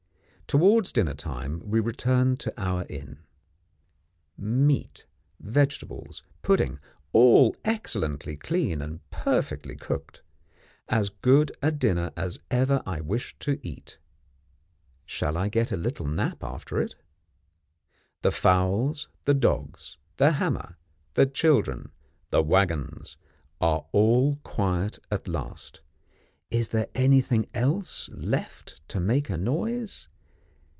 Towards dinner time we return to our inn. Meat, vegetables, pudding, all excellent, clean and perfectly cooked. As good a dinner as ever I wish to eat; shall I get a little nap after it? The fowls, the dogs, the hammer, the children, the waggons, are quiet at last. Is there anything else left to make a noise?